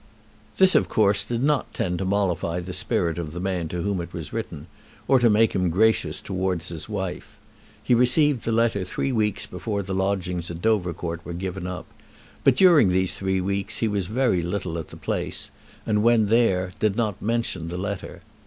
This, of course, did not tend to mollify the spirit of the man to whom it was written, or to make him gracious towards his wife. He received the letter three weeks before the lodgings at Dovercourt were given up, but during these three weeks he was very little at the place, and when there did not mention the letter.